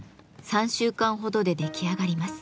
３週間ほどで出来上がります。